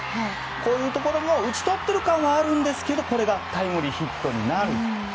こういうところも打ち取っている感はあるんですけどこれがタイムリーヒットになる。